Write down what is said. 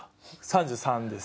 ３３です。